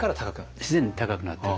自然に高くなってる。